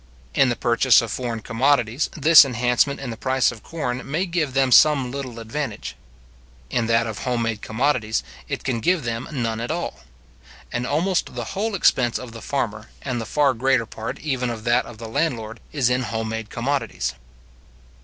In the purchase of foreign commodities, this enhancement in the price of corn may give them some little advantage. In that of home made commodities, it can give them none at all. And almost the whole expense of the farmer, and the far greater part even of that of the landlord, is in home made commodities.